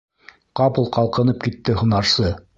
Ҡапыл ҡалҡынып китте һунарсы.